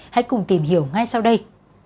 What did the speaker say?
hãy cùng tìm hiểu ngay sau đây